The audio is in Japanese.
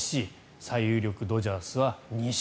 最有力、ドジャースは西。